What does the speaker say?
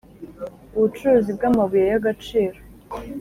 Ubucuruzi bw’amabuye y’agaciro